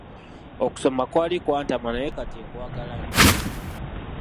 Okusoma kwali kwantama naye kati nkwagala nnyo.